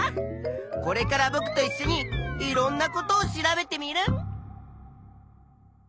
これからぼくといっしょにいろんなことを調べテミルン！